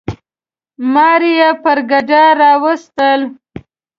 ماره یي پر ګډا راوستل.